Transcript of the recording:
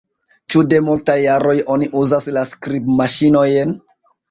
Ĉu de multaj jaroj oni uzas la skribmaŝinojn?